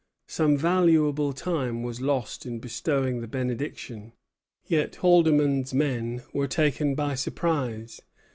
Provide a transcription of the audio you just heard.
Some valuable time was lost in bestowing the benediction; yet Haldimand's men were taken by surprise.